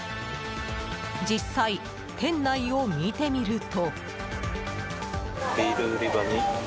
実際、店内を見てみると。